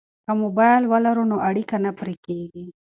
که موبایل ولرو نو اړیکه نه پرې کیږي.